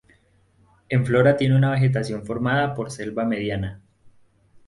En flora tiene una vegetación formada por selva mediana.